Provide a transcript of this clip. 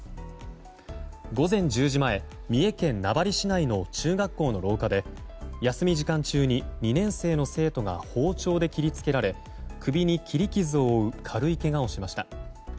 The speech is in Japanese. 午前１０時前、三重県名張市内の中学校の廊下で休み時間中に２年生の生徒が包丁で切り付けられ首に切り傷を負う軽いけがをしました。